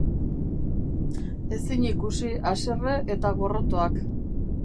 Ezinikusi, haserre eta gorrotoak.